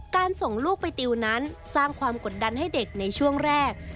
ส่งลูกไปติวนั้นสร้างความกดดันให้เด็กในช่วงแรก